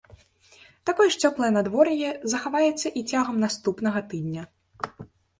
Такое ж цёплае надвор'е захаваецца і цягам наступнага тыдня.